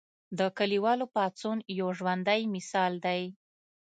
د کلیوالو پاڅون یو ژوندی مثال دی.